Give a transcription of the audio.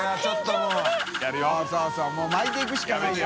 もう巻いていくしかないよ。